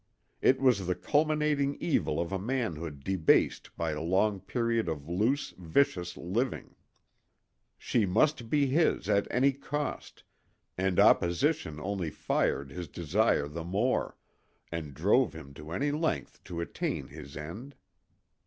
It was the culminating evil of a manhood debased by a long period of loose, vicious living. She must be his at any cost, and opposition only fired his desire the more, and drove him to any length to attain his end.